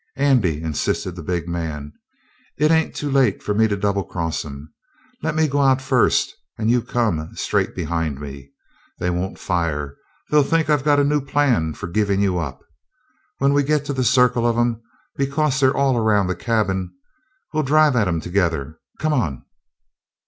"Andy," insisted the big man, "it ain't too late for me to double cross 'em. Let me go out first and you come straight behind me. They won't fire; they'll think I've got a new plan for givin' you up. When we get to the circle of 'em, because they're all round the cabin, we'll drive at 'em together. Come on!"